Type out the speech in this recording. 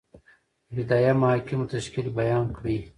د ابتدائیه محاکمو تشکیل بیان کړئ؟